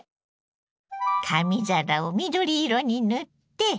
紙皿を緑色に塗って。